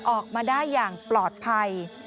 ออกมาได้อย่างปลอดภัย